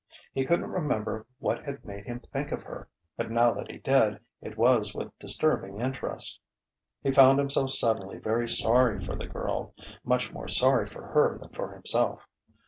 He couldn't remember what had made him think of her, but now that he did, it was with disturbing interest. He found himself suddenly very sorry for the girl much more sorry for her than for himself.